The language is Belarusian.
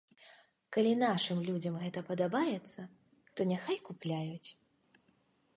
Калі нашым людзям гэта падабаецца, то няхай купляюць.